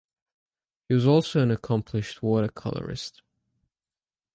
He was also an accomplished watercolorist.